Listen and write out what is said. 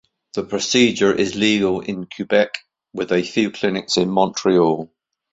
The procedure is legal in Quebec, with a few clinics in Montreal.